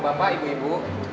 halo bapak bapak ibu ibu